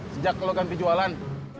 sejak lo ganti jualan